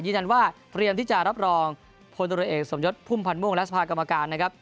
ยืนยันว่าเตรียมที่จะรับรองพลตรวจเอกสมยศพุ่มพันธ์ม่วงและสภากรรมการนะครับ